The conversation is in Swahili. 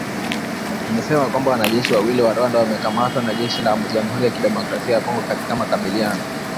Imesema kwamba wanajeshi wawili wa Rwanda wamekamatwa na jeshi la Jamhuri ya kidemokrasia ya Kongo katika makabiliano.